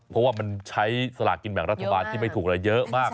เพราะว่ามันใช้สลากกินแบ่งรัฐบาลที่ไม่ถูกอะไรเยอะมาก